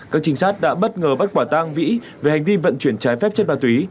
các trinh sát đã bất ngờ bắt quả tang vĩ về hành vi vận chuyển trái phép chất ma túy